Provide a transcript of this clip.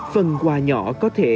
phần quà nhỏ có thể